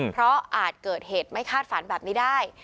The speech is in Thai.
เพราะอาจเกิดเหตุไม่คาดฝันแบบนี้ได้